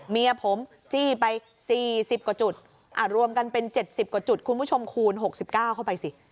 เมียผมจี้ไป๔๐กว่าจุดรวมกันเป็น๗๐กว่าจุดคุณผู้ชมคูณ๖๙เข้าไปสิ